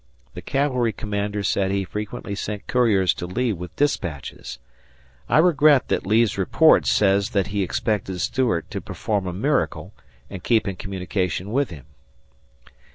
The cavalry commander said he frequently sent couriers to Lee with dispatches. I regret that Lee's report says that he expected Stuart to perform a miracle and keep in communication with him.